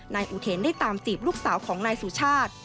นายอุเทนได้ตามจีบลูกสาวของนายสุชาติ